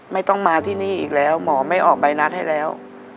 ไม่ต้องมาที่นี่อีกแล้วหมอไม่ออกใบนัดให้แล้ว